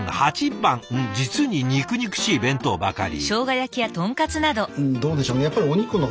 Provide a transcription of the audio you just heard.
うん実に肉々しい弁当ばかり！